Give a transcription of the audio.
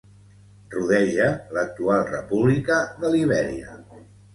Rodeja l'actual república de Libèria